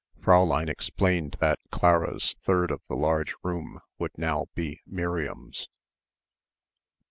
Fräulein indicated that Clara's third of the large room would now be Miriam's.